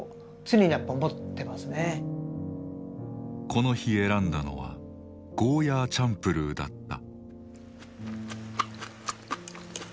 この日選んだのはゴーヤーチャンプルーだった。